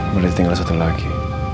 boleh tinggal satu lagi